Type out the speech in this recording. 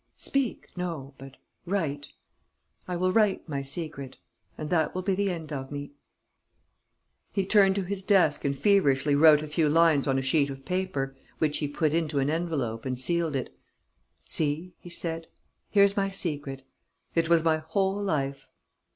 "Speak, no, but write: I will write my secret.... And that will be the end of me." He turned to his desk and feverishly wrote a few lines on a sheet of paper, which he put into an envelope and sealed it: "See," he said, "here's my secret.... It was my whole life...."